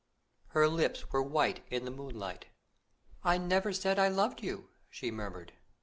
Her lips were white in the moonlight. "I never said I loved you," she murmured.